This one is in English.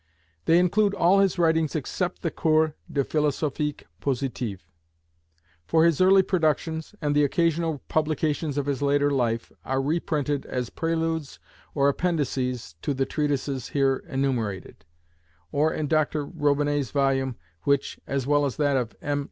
They include all his writings except the Cours de Philosophic Positive: for his early productions, and the occasional publications of his later life, are reprinted as Preludes or Appendices to the treatises here enumerated, or in Dr Robinet's volume, which, as well as that of M.